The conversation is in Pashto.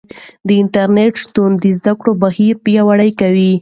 د انټرنیټ شتون د زده کړې بهیر پیاوړی کوي.